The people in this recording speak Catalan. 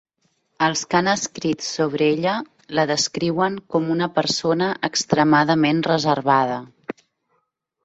Els que han escrit sobre ella la descriuen com una persona extremadament reservada.